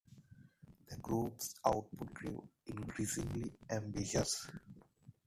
The group's output grew increasingly ambitious.